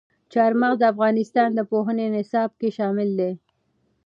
چار مغز د افغانستان د پوهنې نصاب کې شامل دي.